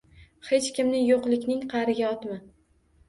Hech kimni yo‘qlikning qa’riga otma.